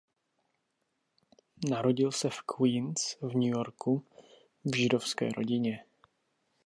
Narodil v Queens v New Yorku v židovské rodině.